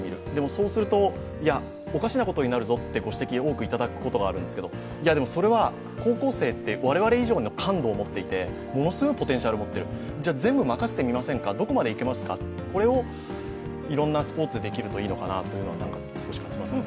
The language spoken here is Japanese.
そうすると、おかしなことになるぞというご指摘を多くいただくことがあるんですけど、いやでもそれは、高校生って我々以上に感度を持っていてものすごいポテンシャルを持っている、じゃ全部任せてみませんか、どこまでいけますか、これをいろいろなスポーツでできるといいのかなと思いますね。